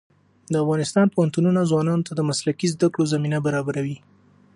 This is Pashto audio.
د افغانستان پوهنتونونه ځوانانو ته د مسلکي زده کړو زمینه برابروي.